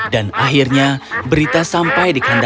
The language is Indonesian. dan akhirnya berita sampai di kandang lainnya